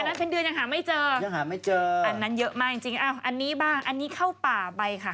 อันเป็นเดือนยังหาไม่เจอยังหาไม่เจออันนั้นเยอะมากจริงจริงอ้าวอันนี้บ้างอันนี้เข้าป่าไปค่ะ